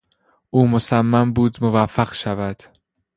او مصمم بود موفق شود.